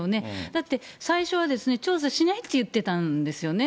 だって、最初は調査しないって言ってたんですよね。